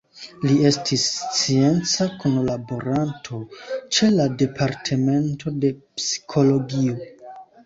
Li estis scienca kunlaboranto ĉe la Departemento de Psikologio.